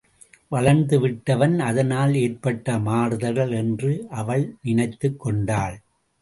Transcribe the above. வளர்ந்து விட்டவன் அதனால் ஏற்பட்ட மாறுதல் என்று அவள் நினைத்துக் கொண்டாள்.